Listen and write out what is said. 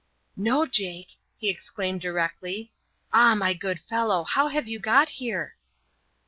"No, Jake," he exclaimed directly. "Ah, my good fellow! how have you got here?"